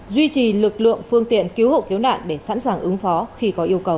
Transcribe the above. duy trì lực lượng phương tiện cứu hộ cứu nạn để sẵn sàng ứng phó khi có yêu cầu